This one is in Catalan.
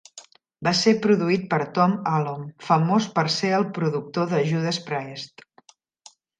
Va ser produït per Tom Allom, famós per ser el productor de Judas Priest.